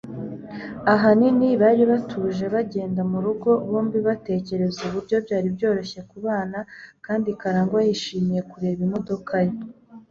Ahanini bari batuje bagenda murugo, bombi batekereza uburyo byari byoroshye kubana, kandi Karangwa yishimiye kureba imodoka ye.